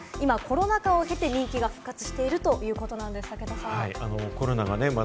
今、コロナ禍を経て、人気が復活してきているそうなんです。